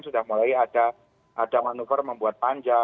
sudah mulai ada manuver membuat panja